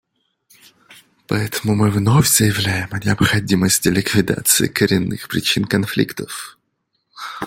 Поэтому мы вновь заявляем о необходимости ликвидации коренных причин конфликтов.